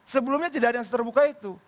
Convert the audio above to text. sebelumnya tidak ada yang seterbuka itu